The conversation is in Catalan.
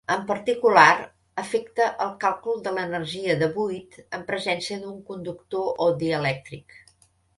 En particular, afecta el càlcul de l'energia de buit en presència d'un conductor o dielèctric.